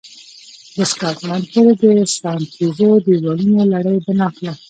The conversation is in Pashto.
د سکاټلند پورې د ساتنیزو دېوالونو لړۍ بنا کړه.